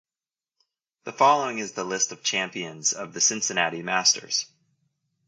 The following is the list of champions of the Cincinnati Masters.